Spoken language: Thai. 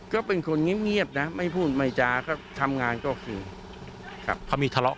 ก็เป็นคนเงียบนะไม่พูดไม่จาก็ทำงานก็คือเขามีทะเลาะ